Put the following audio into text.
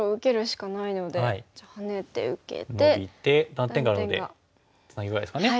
断点があるのでツナギぐらいですかね。